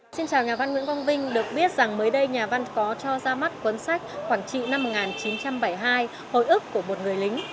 xin chào nhà văn nguyễn quang vinh được biết rằng mới đây nhà văn có cho ra mắt cuốn sách quảng trị năm một nghìn chín trăm bảy mươi hai hồi ức của một người lính